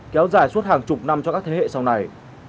kéo dài suốt hàng chục năm cho các thế hệ sau này